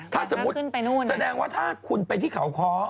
ถ้าสมมุติแสดงว่าถ้าคุณไปที่เขาค้อ